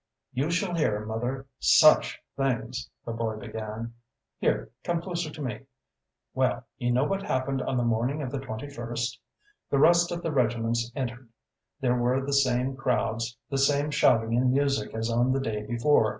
"You shall hear, mother SUCH things!" the boy began. "Here, come closer to me. Well, you know what happened on the morning of the twenty first? The rest of the regiments entered; there were the same crowds, the same shouting and music as on the day before.